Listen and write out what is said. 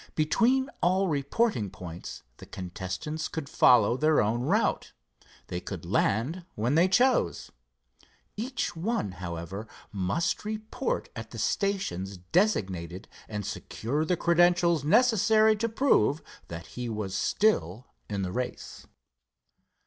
Between all reporting points, the contestants could follow their own route. They could land when they chose. Each one, however, must report at the stations designated and secure the credentials necessary to prove that he was still in the race.